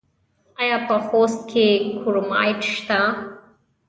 آیا په خوست کې کرومایټ شته؟